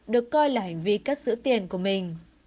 được coi là hành vi cắt giữ tiền của mình